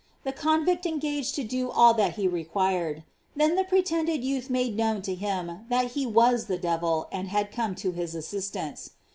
The convict engaged to do all that he required. Then the pretended youth made known to him that he was the devil and had come to his assistance.